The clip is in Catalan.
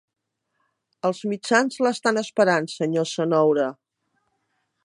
Els mitjans l'estan esperant, senyor Cenoura.